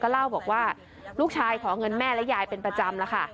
เล่าบอกว่าลูกชายขอเงินแม่และยายเป็นประจำแล้วค่ะ